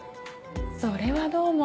それはどうも。